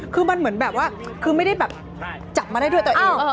คือมันเหมือนแบบว่าคือไม่ได้แบบจับมาได้ด้วยตัวเอง